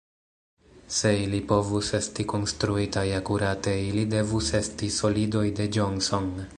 Se ili povus esti konstruitaj akurate, ili devus esti "solidoj de Johnson".